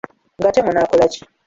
Ng’ate munaakola ki?